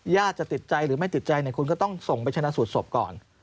ญาติจะติดใจหรือไม่ติดใจคุณก็ต้องส่งไปชนะสูตรศพก่อน